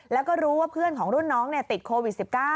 แล้วก็รู้ว่าเพื่อนของรุ่นน้องติดโควิด๑๙